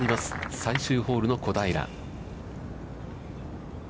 最終ホールの小平。